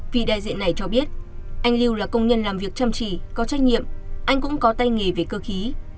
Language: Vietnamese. vì đại diện này cho biết anh lưu là công nhân làm việc chăm chỉ có trách nhiệm anh cũng có tay nghề về cơ khí